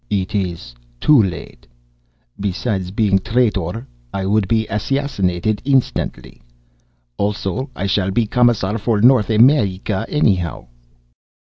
"It is too late. Besides being a traitor, I would be assassinated instantly. Also, I shall be Commissar for North America anyhow."